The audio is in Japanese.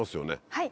はい。